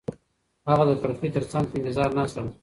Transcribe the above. هغه د کړکۍ تر څنګ په انتظار ناسته وه.